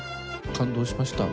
感動しました。